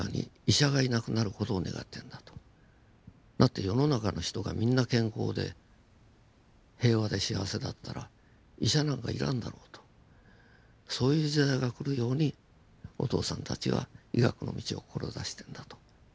だって世の中の人がみんな健康で平和で幸せだったら医者なんか要らんだろうとそういう時代が来るようにお父さんたちは医学の道を志してんだと。